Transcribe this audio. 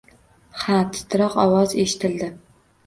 Ha, titroq ovoz eshitildi